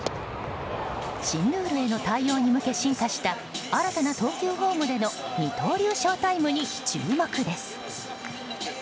新ルールへの対応に向け進化した新たな投球フォームでの二刀流ショウタイムに注目です。